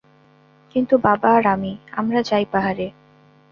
কিন্তু বাবা আর আমি, আমরা যাই পাহাড়ে।